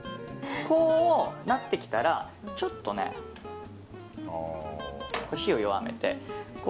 こうなってきたらちょっと火を弱めて。